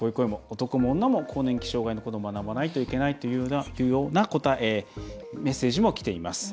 男も女も更年期障害のこと学ばないといけないというメッセージもきています。